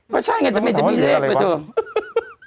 ก็ใช่ไงแต่ไม่จำเป็นจะมีเลขไปดู